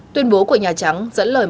tuyên bố của nhà trắng dẫn lời một quan điểm